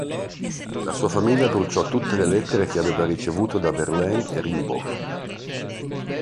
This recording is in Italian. La sua famiglia bruciò tutte le lettere che aveva ricevuto da Verlaine e Rimbaud.